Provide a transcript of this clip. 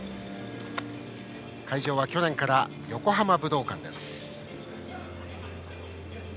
会場は、去年から横浜武道館です。